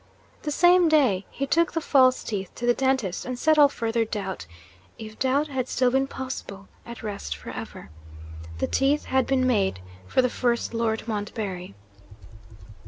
The same day, he took the false teeth to the dentist, and set all further doubt (if doubt had still been possible) at rest for ever. The teeth had been made for the first Lord Montbarry.